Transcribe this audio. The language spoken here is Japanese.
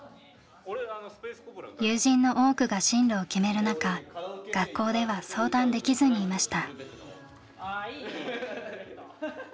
友人の多くが進路を決める中学校では相談できずにいました。